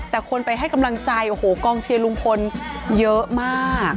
แต่คนไปให้กำลังใจโอ้โหกองเชียร์ลุงพลเยอะมาก